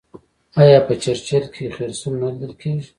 آیا په چرچیل کې خرسونه نه لیدل کیږي؟